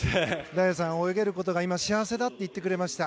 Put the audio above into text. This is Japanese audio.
大也さん泳げることが今幸せだと言ってくれました。